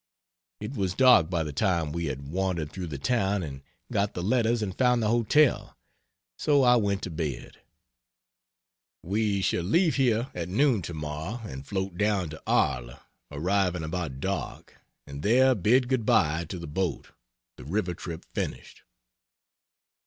It was dark by the time we had wandered through the town and got the letters and found the hotel so I went to bed. We shall leave here at noon tomorrow and float down to Arles, arriving about dark, and there bid good bye to the boat, the river trip finished.